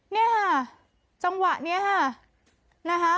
นี่ค่ะจังหวะนี้ค่ะ